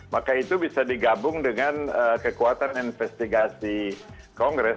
maka itu bisa digabung dengan kekuatan investigasi kongres